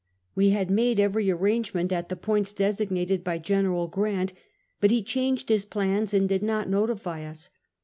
We had made every arrangement at the points designated by Gen. Grant, but he changed his plans and did not notify' us.